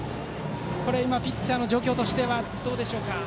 今、ピッチャーの状況としてはどうでしょうか。